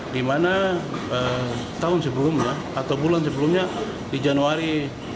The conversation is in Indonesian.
di mana tahun sebelumnya atau bulan sebelumnya di januari